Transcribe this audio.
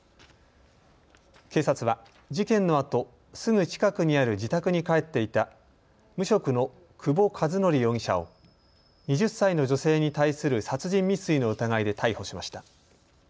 警察は、事件のあとすぐ近くにある自宅に帰っていた無職の久保一紀容疑者を２０歳の女性に対する殺人未遂の疑いで逮捕しました。